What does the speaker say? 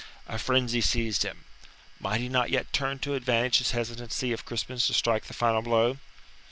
A frenzy seized him. Might he not yet turn to advantage this hesitancy of Crispin's to strike the final blow?